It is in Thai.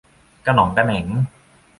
กะหน็องกะแหน็ง